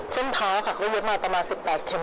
เส้นเท้าค่ะเขาเย็บมาประมาณ๑๘เข็ม